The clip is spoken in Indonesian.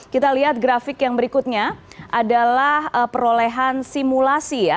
kita lihat grafik yang berikutnya adalah perolehan simulasi ya